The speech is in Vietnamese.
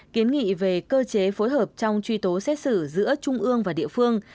kiến nghị về cơ chế phối hợp trong truy tố xét xử giữa trung ương và địa phương